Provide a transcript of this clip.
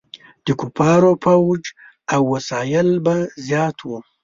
د کفارو فوځ او وسایل به زیات وو.